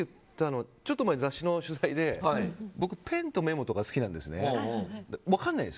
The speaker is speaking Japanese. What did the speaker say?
ちょっと前に雑誌の取材で僕、ペンとメモとか好きなんです。